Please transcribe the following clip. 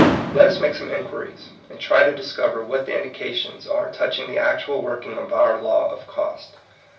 Let us make some inquiries, and try to discover what the indications are touching the actual working of our law of cost.